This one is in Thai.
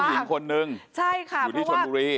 มีผู้หญิงคนนึงอยู่ที่ชนุรี